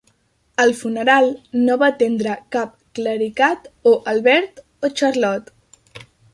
Al funeral no va atendre cap clericat, o Albert o Charlotte.